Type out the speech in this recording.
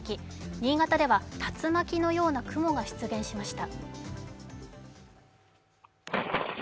新潟では竜巻のような雲が出現しました。